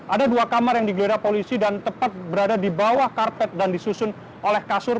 ada dua kamar yang digeledah polisi dan tepat berada di bawah karpet dan disusun oleh kasur